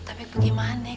tapi bagaimana ya